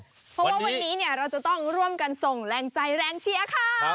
เพราะว่าวันนี้เนี่ยเราจะร่วมกันส่งแรงใจแรงเชียค่ะ